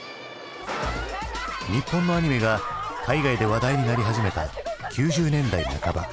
日本のアニメが海外で話題になり始めた９０年代半ば。